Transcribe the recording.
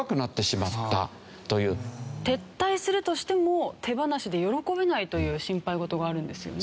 撤退するとしても手放しで喜べないという心配事があるんですよね。